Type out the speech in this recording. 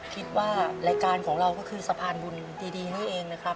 คิดว่ารายการของเราก็คือสะพานบุญดีนี่เองนะครับ